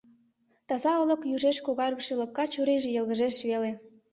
Таза олык южеш когаргыше лопка чурийже йылгыжеш веле.